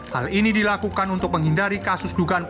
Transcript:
hal ini dilakukan untuk menghindari kasus dugaan